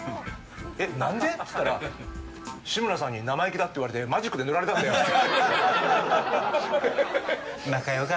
えっ、何で？って言ったら志村さんに生意気だって言われてマジックで塗られたんだよって。